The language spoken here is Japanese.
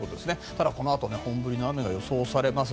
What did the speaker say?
ただ、このあと本降りの雨が予想されます。